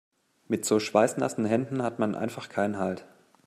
Mit so schweißnassen Händen hat man einfach keinen Halt.